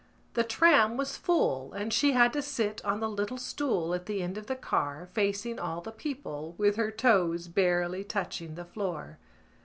The tram was full and she had to sit on the little stool at the end of the car, facing all the people, with her toes barely touching the floor.